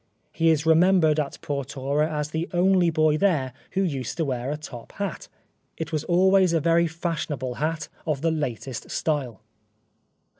He is re membered at Portora as the only boy there who used to wear a top hat. " It was always a very fashionable hat, of the latest style."